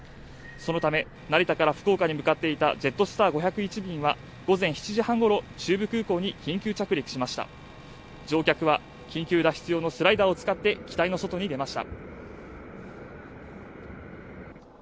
そのため成田から福岡に向かっていたジェットスター５０１便は午前７時半ごろ中部空港に緊急着陸しました乗客は緊急脱出用のスライダーを使って機体の外に出ました